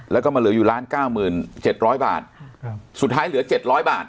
แล้วก็มาเหลืออยู่ล้านเก้าหมื่นเจ็ดร้อยบาทครับสุดท้ายเหลือเจ็ดร้อยบาท